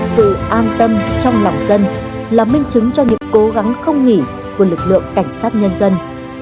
sự an tâm trong lòng dân là minh chứng cho những cố gắng không nghỉ của lực lượng cảnh sát nhân dân